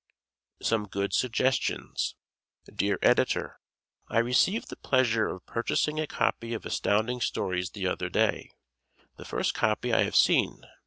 Some Good Suggestions Dear Editor: I received the pleasure of purchasing a copy of Astounding Stories the other day, the first copy I have seen.